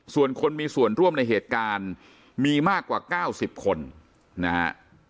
ส่วนคนมีส่วนร่วมในเหตุการณ์มีมากกว่า๙๐คนนะฮะ